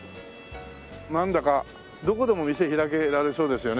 なんだかどこでも店開けられそうですよね。